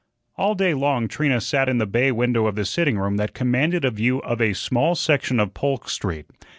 All day long Trina sat in the bay window of the sitting room that commanded a view of a small section of Polk Street.